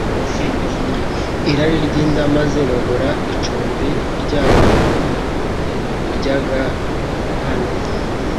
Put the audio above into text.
irari ry’inda, maze babura icumbi ryabo ry’agahano.